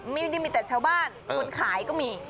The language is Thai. ไม่ได้มีแต่ชาวบ้านคนขายก็มี